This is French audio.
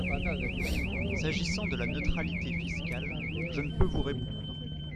S’agissant de la neutralité fiscale, je ne peux vous répondre.